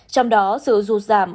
trong đó sự rụt giảm